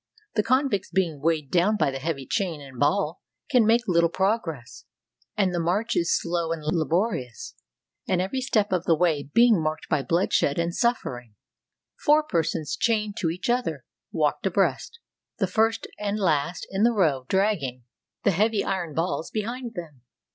The convicts being weighed down by the heavy chain and ball can make little progress, and the march is slow and laborious, every step of the way being marked by bloodshed and suffering. Four persons, chained to each other, walk abreast, the first and last in the row drag ging the heavy iron balls behind them.